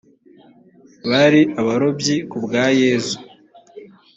bari abarobyi kubwa yezu